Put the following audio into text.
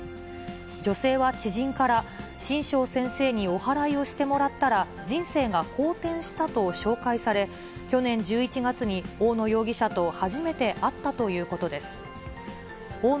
女性は知人から、神生先生におはらいをしてもらったら人生が好転したと紹介され、去年１１月に、大野容疑者と初めて会ったということです。